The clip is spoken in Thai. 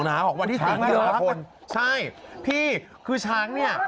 ของวันที่๔นาทีแล้วครับคนใช่พี่คือช้างนี่